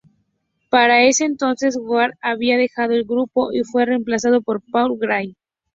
Para ese entonces, Ward había dejado el grupo, y fue reemplazado por Paul Gray.